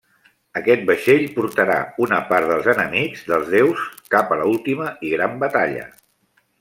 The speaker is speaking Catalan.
Aquest vaixell portarà una part dels enemics dels déus cap a l'última i gran batalla.